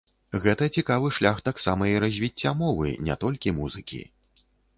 Гэта цікавы шлях таксама і развіцця мовы, не толькі музыкі.